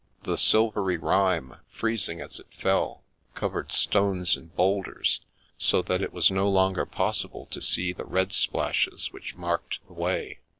The silvery rime, freezing as it fell, covered stones and boulders so that it was no longer possible to see the red splashes which marked the way.